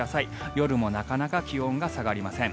夜もなかなか気温が下がりません。